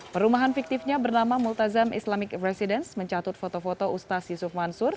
perumahan fiktifnya bernama multazam islamic residence mencatut foto foto ustaz yusuf mansur